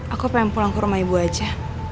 aku pengen pulang ke rumah ibu aja